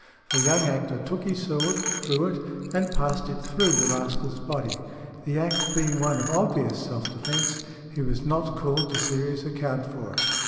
The young actor took his sword, drew it, and passed it through the rascal's body. The act being one of obvious self defence, he was not called to serious account for it.